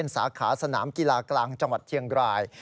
สาขาสนามกีฬากลางจังหวัดเชียงราย